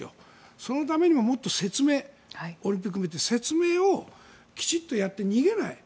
そのためにも、もっと説明オリンピックを含めてきちんとやって、逃げない。